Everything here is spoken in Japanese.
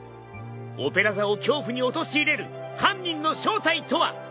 オペラ座を恐怖に陥れる犯人の正体とは！？